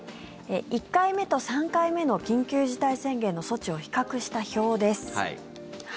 １回目と３回目の緊急事態宣言の措置を比較した表です。